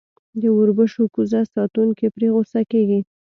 د اوربشو کوزه ساتونکی پرې غصه کېږي.